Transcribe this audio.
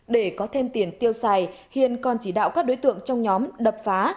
để có thêm tiền tiêu xài hiền còn chỉ đạo các đối tượng trong nhóm đập phá